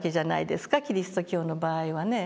キリスト教の場合はね。